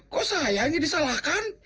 kok saya yang disalahkan